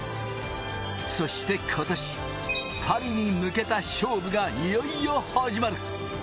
そして今年、パリに向けた勝負がいよいよ始まる。